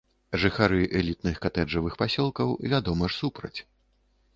Жыхары элітных катэджавых пасёлкаў, вядома ж, супраць.